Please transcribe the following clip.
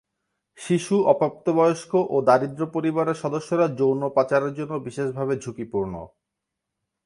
শিশু, অপ্রাপ্তবয়স্ক ও দারিদ্র্য পরিবারের সদস্যরা যৌন পাচারের জন্য বিশেষভাবে ঝুঁকিপূর্ণ।